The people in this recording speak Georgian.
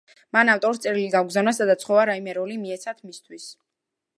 მან ავტორს წერილი გაუგზავნა, სადაც სთხოვა რაიმე როლი მიეცათ მისთვის.